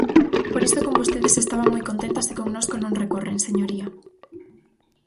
Por iso con vostedes estaban moi contentas e connosco non recorren, señoría.